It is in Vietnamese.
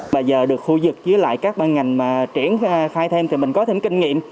bây giờ được khu dực với các bàn ngành triển khai thêm thì mình có thêm kinh nghiệm